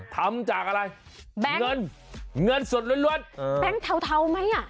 ทำจากอะไรเงินสดล้วนแบงค์เทาไหมอ่ะ